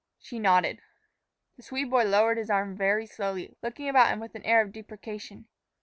She nodded. The Swede boy lowered his arm very slowly, looking about him with an air of deprecation.